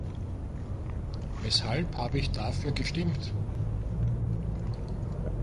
Weshalb habe ich dafür gestimmt?